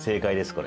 これ。